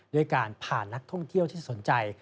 ด้วยการพานักท่องเที่ยวที่สนใจ